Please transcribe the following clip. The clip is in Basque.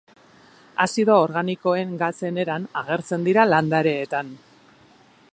Azido organikoen gatzen eran agertzen dira landareetan.